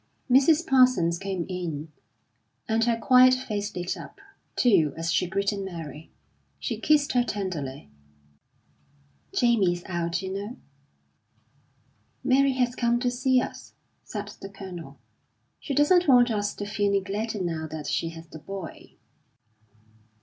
Mrs. Parsons came in, and her quiet face lit up, too, as she greeted Mary. She kissed her tenderly. "Jamie's out, you know." "Mary has come to see us," said the Colonel. "She doesn't want us to feel neglected now that she has the boy."